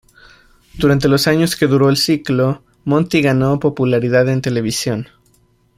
Durante los años que duró el ciclo, Monti ganó popularidad en televisión.